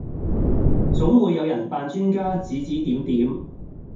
總會有人扮專家指指點點